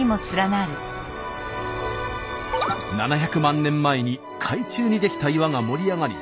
７００万年前に海中に出来た岩が盛り上がり